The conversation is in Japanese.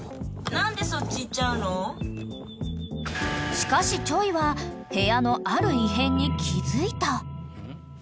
［しかしｃｈｏｙ？は部屋のある異変に気付いた］